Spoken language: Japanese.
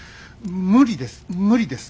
無理です無理です